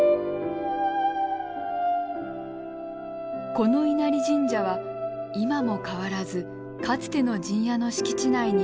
この稲荷神社は今も変わらずかつての陣屋の敷地内に鎮座しています。